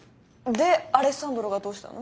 でアレッサンドロがどうしたの？